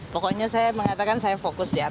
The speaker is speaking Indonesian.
pokoknya saya mengatakan saya fokus di apa